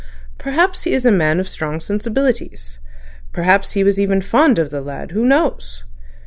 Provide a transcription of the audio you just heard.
Perhaps he is a man of strong sensibilities. Perhaps he was even fond of the lad—who knows?